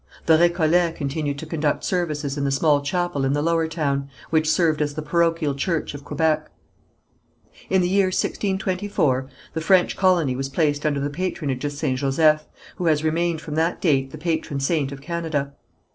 The Récollets continued to conduct services in the small chapel in the Lower Town, which served as the parochial church of Quebec. In the year 1624 the French colony was placed under the patronage of Saint Joseph, who has remained from that date the patron saint of Canada.